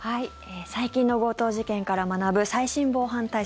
最近の強盗事件から学ぶ最新防犯対策。